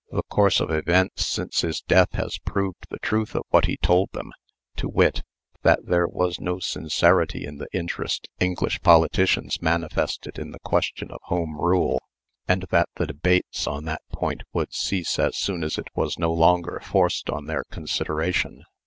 The course of events since his death has proved the truth of what he told them, to wit: that there was no sincerity in the interest English politicians manifested in the question of Home Rule, and that the debates on that point would cease as soon as it was no longer forced on their consideration.